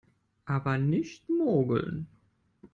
Aber nicht mogeln!